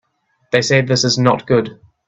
They say this is not good.